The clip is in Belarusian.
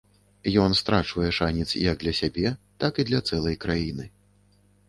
Ён страчвае шанец як для сябе, так і для цэлай краіны.